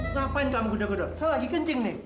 ngapain kamu guda guda saya lagi kencing nih